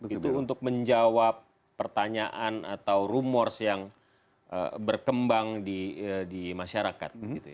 itu untuk menjawab pertanyaan atau rumors yang berkembang di masyarakat